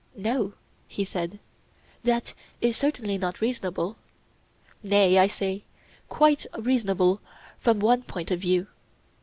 No, he said, that is certainly not reasonable. Nay, I said, quite reasonable from one point of view.